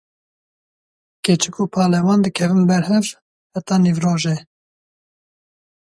Keçik û palewan dikevin ber hev, heta nîvrojê.